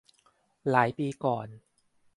หลายปีก่อน